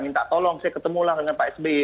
minta tolong saya ketemu lah dengan pak sby